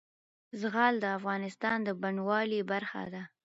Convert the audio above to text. زغال د افغانستان د بڼوالۍ برخه ده.